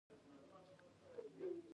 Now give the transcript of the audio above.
افغانستان کې پکتیا د خلکو د خوښې وړ ځای دی.